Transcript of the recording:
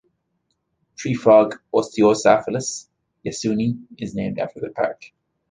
Treefrog "Osteocephalus yasuni" is named after the park.